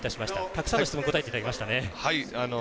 たくさんの質問答えていただきましたね。